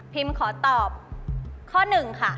ขอตอบข้อหนึ่งค่ะ